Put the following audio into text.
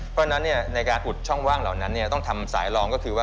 เพราะฉะนั้นในการอุดช่องว่างเหล่านั้นต้องทำสายรองก็คือว่า